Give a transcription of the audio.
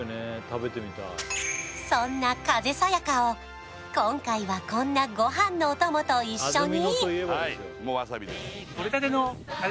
そんな風さやかを今回はこんなご飯のお供と一緒に！